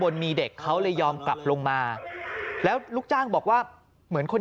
มีเด็กเขาเลยยอมกลับลงมาแล้วลูกจ้างบอกว่าเหมือนคน